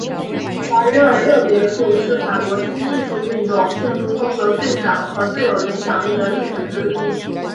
马约尔勒别墅是法国新艺术运动建筑风格最早和最有影响力的例子之一。